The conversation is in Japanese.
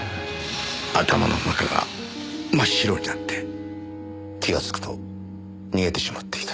頭の中が真っ白になって気がつくと逃げてしまっていた。